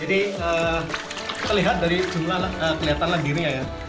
jadi terlihat dari jumlah kelihatan langgirnya ya